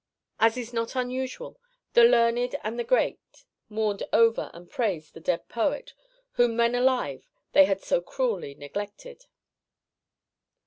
As is not unusual, the learned and the great mourned over and praised the dead poet whom when alive they had so cruelly neglected.